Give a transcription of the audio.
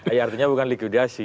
iya artinya bukan likuidasi